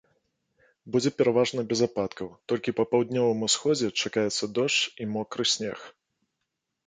Будзе пераважна без ападкаў, толькі па паўднёвым усходзе чакаецца дождж і мокры снег.